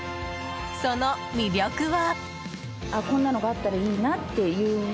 その魅力は。